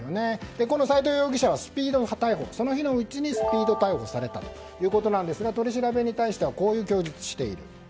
この斎藤容疑者はその日のうちにスピード逮捕されたということですが取り調べに対してはこういう供述をしている。